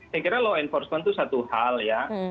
saya kira law enforcement itu satu hal ya